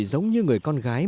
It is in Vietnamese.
giống như người con gái